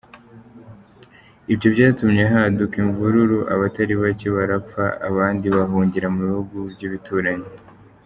Ibyo byatumye haduka imvururu abatari bake barapfa abandi bahungira mu bihugu by’ibituranyi.